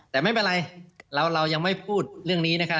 แต่ไม่เป็นไรเรายังไม่พูดเรื่องนี้นะครับ